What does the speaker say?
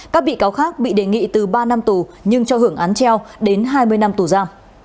các bị cáo khác bị đề nghị từ ba năm tù nhưng cho hưởng án treo đến hai mươi năm tù ra